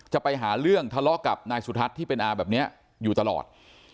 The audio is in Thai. จะไปหาเรื่องทะเลาะกับนายสุทัศน์ที่เป็นอาแบบนี้อยู่ตลอด